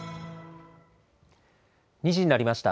２時になりました。